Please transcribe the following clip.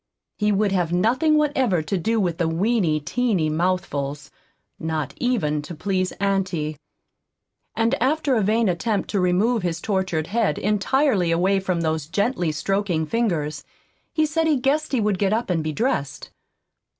He would have nothing whatever to do with the "weeny, teeny mouthfuls," not even to please auntie. And after a vain attempt to remove his tortured head, entirely away from those gently stroking fingers, he said he guessed he would get up and be dressed.